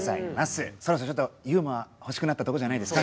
そろそろちょっとユーモア欲しくなったとこじゃないですか？